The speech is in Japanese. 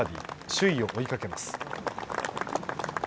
首位を追いかけます。